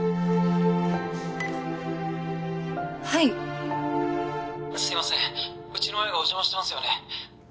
はいすいませんうちの親がお邪魔してますよね